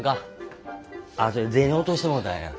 あっそや銭落としてもうたんや。